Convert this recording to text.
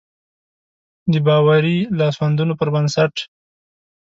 د باوري لاسوندونو پر بنسټ.